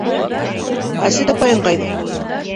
— Асет апайың ҡайҙа?